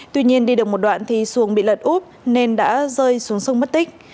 tuy nhiên đi được một đoạn thì xuồng bị lật úp nên đã rơi xuống sông mất tích